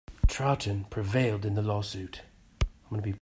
Troughton prevailed in the lawsuit.